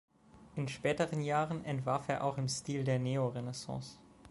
In späteren Jahren entwarf er auch im Stil der Neorenaissance.